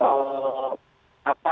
dengan biden ini saya pikir